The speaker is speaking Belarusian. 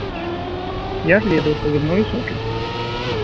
Я ж ведаў, што за мною сочаць.